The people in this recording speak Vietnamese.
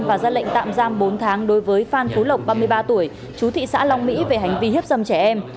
và ra lệnh tạm giam bốn tháng đối với phan phú lộc ba mươi ba tuổi chú thị xã long mỹ về hành vi hiếp dâm trẻ em